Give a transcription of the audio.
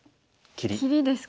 切りですか。